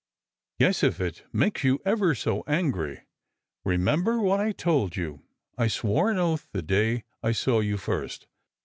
" Yes, if it wakes you ever so angry. Eemember what I told you. I Bwore an oath the day I saw you first."